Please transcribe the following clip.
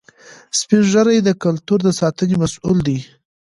سپین ږیری د کلتور د ساتنې مسؤل دي